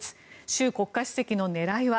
習国家主席の狙いは？